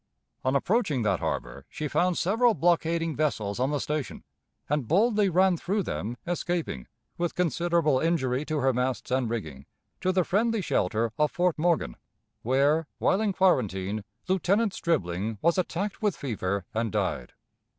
On approaching that harbor she found several blockading vessels on the station, and boldly ran through them, escaping, with considerable injury to her masts and rigging, to the friendly shelter of Fort Morgan, where, while in quarantine, Lieutenant Stribling was attacked with fever and died.